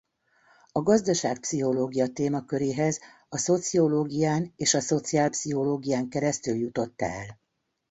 A gazdaságpszichológia témaköréhez a szociológián és a szociálpszichológián keresztül jutott el.